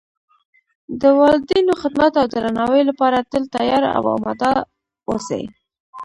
د والدینو خدمت او درناوۍ لپاره تل تیار او آماده و اوسئ